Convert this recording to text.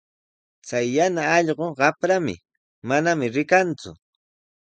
Chay yana allqu qamprami, manami rikanku.